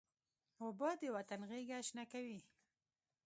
اوبه د وطن غیږه شنه کوي.